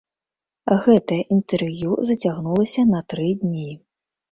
Гэтае інтэрв'ю зацягнулася на тры дні.